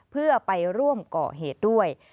เพื่อไปร่วมก่อเหตุด้วย